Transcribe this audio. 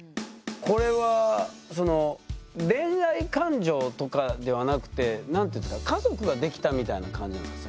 これはその恋愛感情とかではなくて何て言うんですか家族ができたみたいな感じなんですかサヤカさん。